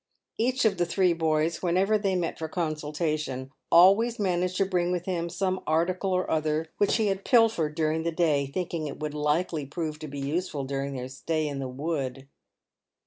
Each of the three boys, whenever they met for consultation, always managed to bring with him some article or other which he had pilfered during the day, thinking it would be likely to prove useful during their stay in the wood.